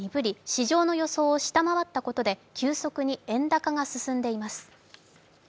市場の予想を下回ったことで急速に円高が進んでいます。